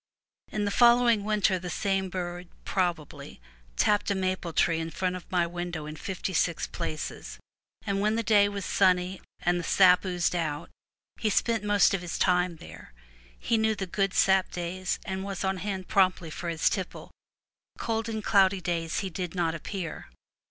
In the following winter the same bird (probably) tapped a maple tree in front of my window in fifty six places; and when the day was sunny, and the sap oozed out, he spent most of his time there. He knew the good sap days, and was on hand promptly for his tipple; cold and cloudy days he did not appear.